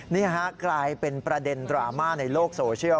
นี่ฮะกลายเป็นประเด็นดราม่าในโลกโซเชียล